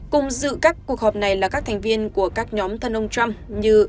cùng dự các cuộc họp này là các thành viên của các nhóm thân ông trump như